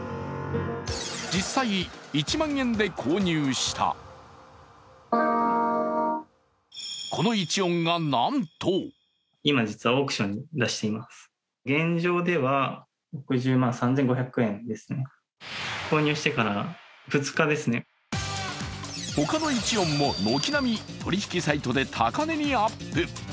実際、１万円で購入したこの１音がなんと他の１音も軒並み取引サイトで高値にアップ。